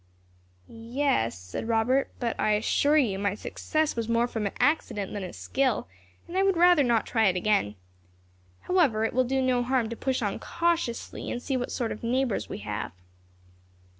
"Yes," said Robert, "but I assure you, my success was more from accident than skill; and I would rather not try it again. However, it will do no harm to push on cautiously, and see what sort of neighbours we have."